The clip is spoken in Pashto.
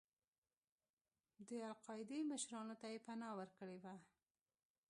د القاعدې مشرانو ته یې پناه ورکړې وه.